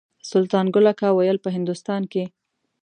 سلطان ګل اکا ویل په هندوستان کې.